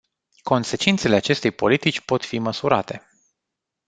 Consecințele acestei politici pot fi măsurate.